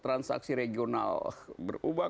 transaksi regional berubah